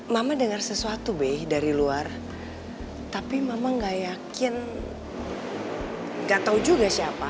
mama dengar sesuatu be dari luar tapi mama gak yakin gak tahu juga siapa